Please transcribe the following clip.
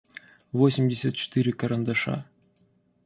восемьдесят четыре карандаша